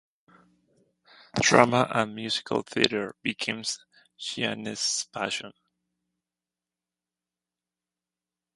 Drama and musical theater became Chianese's passion.